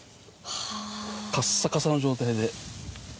カッサカサの状態で。